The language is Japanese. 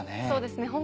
そうですね